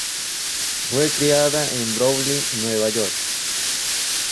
Fue criada en Brooklyn, Nueva York.